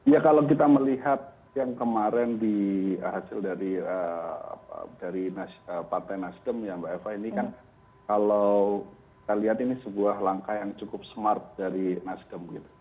ya kalau kita melihat yang kemarin di hasil dari partai nasdem ya mbak eva ini kan kalau kita lihat ini sebuah langkah yang cukup smart dari nasdem